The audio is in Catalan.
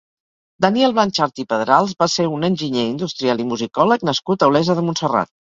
Daniel Blanxart i Pedrals va ser un enginyer industrial i musicòleg nascut a Olesa de Montserrat.